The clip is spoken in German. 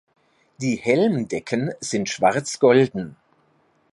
Die Helmdecken sind schwarz-golden.